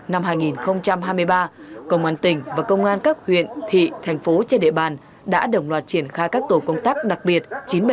năm hai nghìn hai mươi ba công an tỉnh và công an các huyện thị thành phố trên địa bàn đã đồng loạt triển khai các tổ công tác đặc biệt chín trăm bảy mươi chín